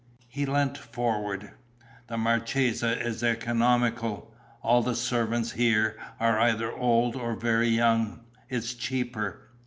He leant forward: "The marchesa is economical. All the servants here are either old or very young. It's cheaper."